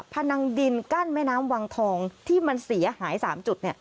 พนังดินกั้นแม่น้ำวังทองที่มันเสียหาย๓จุด